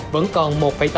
vẫn còn một tám